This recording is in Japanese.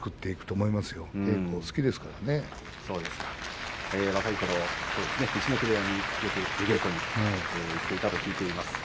そうですね、若いころ陸奥部屋によく出稽古に行っていたと思います。